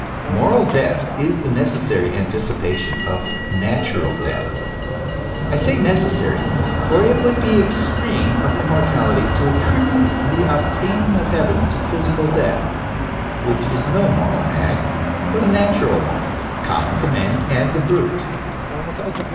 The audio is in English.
Moral death is the necessary antici pation of natural death ; I say necessary, for it would be the extreme of immorality to attribute the obtaining of heaven to physical death, which is no moral act, but a natural one com mon to man and the brute.